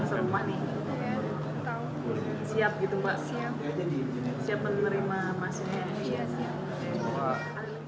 siap menerima masing masing